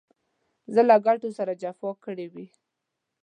زه له ګټو سره جفا کړې وي.